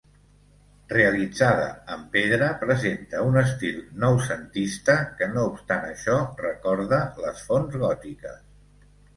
Realitzada en pedra, presenta un estil noucentista que no obstant això recorda les fonts gòtiques.